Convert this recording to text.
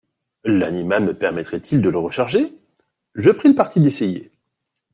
L'animal me permettrait-il de le recharger ? Je pris le parti d'essayer.